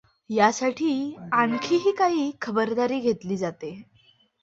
यासाठी आणखीही काही खबरदारी घेतली जाते.